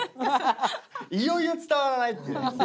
いよいよ伝わらないっていうね。